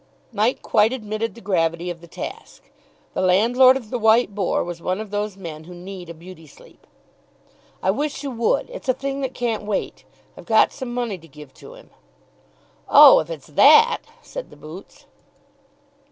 Mike quite admitted the gravity of the task. The landlord of the "White Boar" was one of those men who need a beauty sleep. "I wish you would it's a thing that can't wait. I've got some money to give to him." "Oh, if it's that " said the boots.